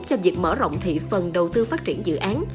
cho việc mở rộng thị phần đầu tư phát triển dự án